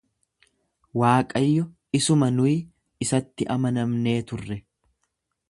Waaqayyo isuma, nuyi isatti amanamnee turre.